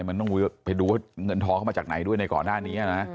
มันต้องไปดูว่าเงินทองเข้ามาจากไหนด้วยในก่อนหน้านี้นะ